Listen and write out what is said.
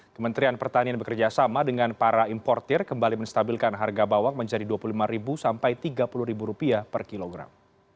kementerian pertanian bekerjasama dengan para importer kembali menstabilkan harga bawang menjadi rp dua puluh lima sampai rp tiga puluh per kilogram